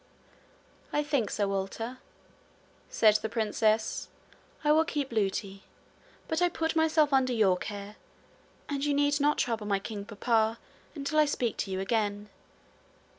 'I think, Sir Walter,' said the princess, 'I will keep Lootie. But I put myself under your care; and you need not trouble my king papa until I speak to you again.